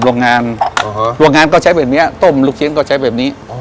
โรงงานโรงงานก็ใช้แบบนี้ต้มลูกชิ้นก็ใช้แบบนี้